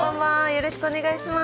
よろしくお願いします。